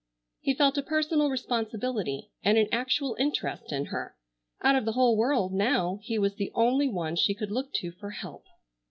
He felt a personal responsibility, and an actual interest in her. Out of the whole world, now, he was the only one she could look to for help.